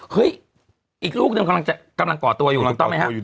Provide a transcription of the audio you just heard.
เฮ้ยอีกลูกนึงกำลังจะกำลังก่อตัวอยู่ต้องไหมฮะ